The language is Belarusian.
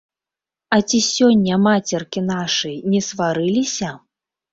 А ці сёння мацеркі нашы не сварыліся?